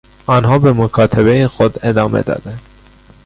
آنها به مکاتبهی خود ادامه دادند.